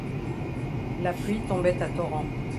La pluie tombait à torrents.